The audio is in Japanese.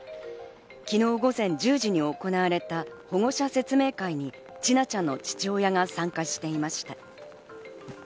昨日午前１０時に行われた保護者説明会に千奈ちゃんの父親が参加していました。